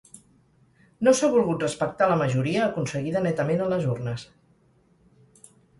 No s’ha volgut respectar la majoria aconseguida netament a les urnes.